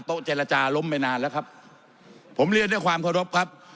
เจรจาล้มไปนานแล้วครับผมเรียนด้วยความเคารพครับ